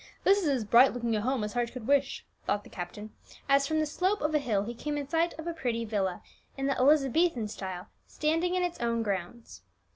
This is as bright looking a home as heart could wish," thought the captain, as from the slope of a hill he came in sight of a pretty villa, in the Elizabethan style, standing in its own grounds.